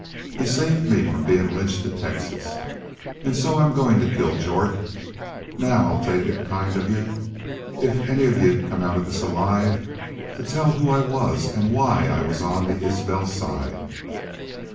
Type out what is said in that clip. He saved me from bein' lynched in Texas. An' so I'm goin' to kill Jorth. Now I'll take it kind of y'u if any of y'u come out of this alive to tell who I was an' why I was on the Isbel side.